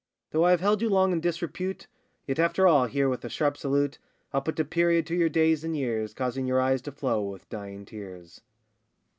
Though I have held you long in disrepute, Yet after all here with a sharp salute I'll put a period to your days and years, Causing your eyes to flow with dying tears.